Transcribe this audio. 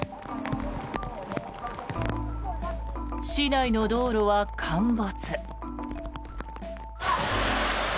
市内の道路は陥没。